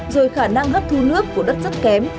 rồi khả năng hấp thu nước của đất rất kém